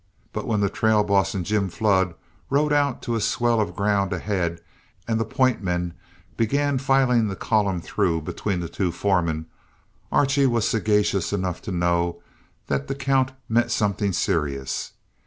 But when the trail boss and Jim Flood rode out to a swell of ground ahead, and the point men began filing the column through between the two foremen, Archie was sagacious enough to know that the count meant something serious.